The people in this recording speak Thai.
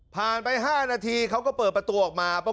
ไป๕นาทีเขาก็เปิดประตูออกมา